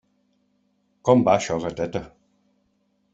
Com va això, gateta?